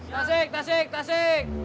tasik tasik tasik